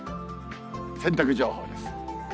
洗濯情報です。